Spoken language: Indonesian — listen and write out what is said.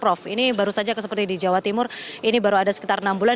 prof ini baru saja seperti di jawa timur ini baru ada sekitar enam bulan